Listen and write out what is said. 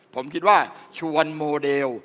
ผมคิดว่าชวนโมเดล